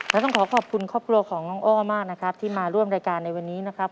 และต้องขอขอบคุณครอบครัวของน้องอ้อมากนะครับที่มาร่วมรายการในวันนี้นะครับ